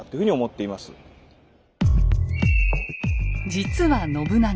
実は信長。